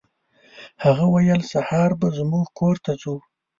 هغه ویل سهار به زموږ کور ته ځو.